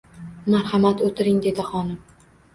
— Marhamat, o‘tiring, — dedi xonim.